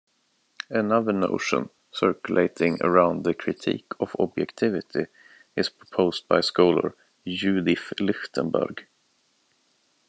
Another notion circulating around the critique of objectivity is proposed by scholar Judith Lichtenberg.